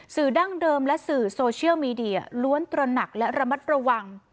ดั้งเดิมและสื่อโซเชียลมีเดียล้วนตระหนักและระมัดระวัง